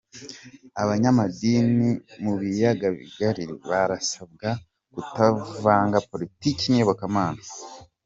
Abanyamadini mu biyaga bigari barasabwa kutavanga Politiki n’iyobokamana